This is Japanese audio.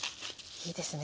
いいですね